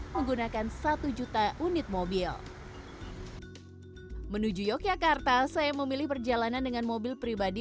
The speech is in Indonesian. menuju yogyakarta saya memilih perjalanan dengan mobil pribadi